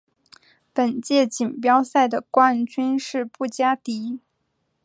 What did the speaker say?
本届锦标赛的冠军是布加迪。